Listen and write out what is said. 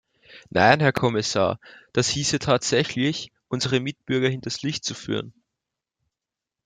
Nein, Herr Kommissar, das hieße tatsächlich, unsere Mitbürger hinters Licht zu führen.